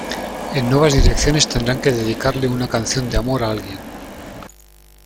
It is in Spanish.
En Nuevas Direcciones tendrán que dedicarle una canción de amor a alguien.